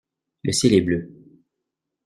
Le ciel est bleu.